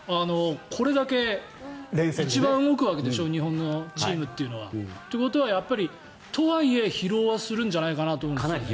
これだけ一番動くわけでしょ日本のチームというのは。ということは、とはいえ疲労はするんじゃないかなと思うんですけど。